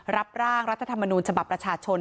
รับร่างรัฐธรรมนูญฉบับประชาชน